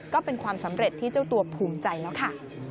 ก็เป็นความสำเร็จที่เจ้าตัวภูมิใจแล้วค่ะ